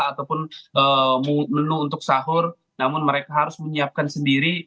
ataupun menu untuk sahur namun mereka harus menyiapkan sendiri